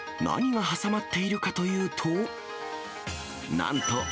何が挟まっているかというと。